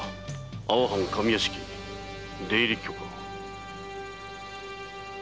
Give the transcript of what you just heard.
「阿波藩上屋敷出入許可」。